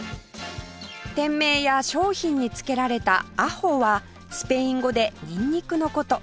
店名や商品に付けられた「アホ」はスペイン語でニンニクの事